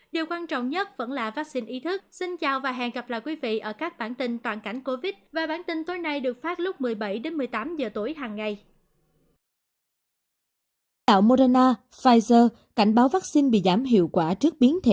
điều quan trọng nhất vẫn là vắc xin ý thức